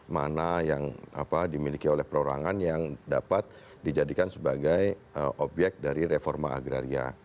mana yang dimiliki oleh perorangan yang dapat dijadikan sebagai obyek dari reforma agraria